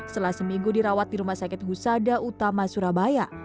setelah seminggu dirawat di rumah sakit husada utama surabaya